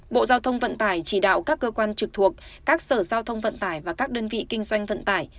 bộ giao thông vận tải chỉ đạo các cơ quan trực thuộc các sở giao thông vận tải và các đơn vị kinh doanh vận tải